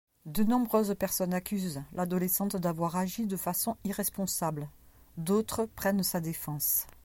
De nombreuses personnes accusent l'adolescente d'avoir agi de façon irresponsable, d'autres prennent sa défense.